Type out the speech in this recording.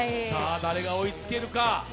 誰が追いつけるか。